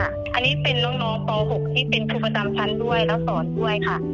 อันนี้เป็นน้องป๖ที่เป็นครูประจำชั้นด้วยแล้วสอนด้วยค่ะ